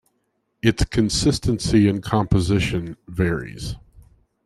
Its consistency and composition varies.